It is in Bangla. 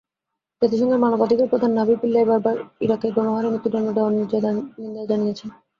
জাতিসংঘের মানবাধিকার প্রধান নাভি পিল্লাই বারবার ইরাকে গণহারে মৃত্যুদণ্ড দেওয়ার নিন্দা জানিয়েছেন।